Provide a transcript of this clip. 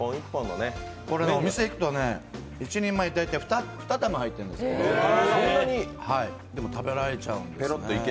お店行くと１人前２玉入ってるんだけどでも食べられちゃうんですね。